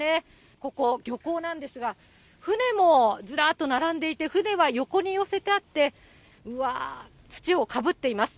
ここ、漁港なんですが、船もずらっと並んでいて、船は横に寄せてあって、うわー、土をかぶっています。